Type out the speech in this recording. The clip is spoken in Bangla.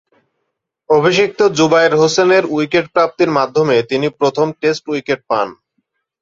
অভিষিক্ত জুবায়ের হোসেনের উইকেট প্রাপ্তির মাধ্যমে তিনি প্রথম টেস্ট উইকেট পান।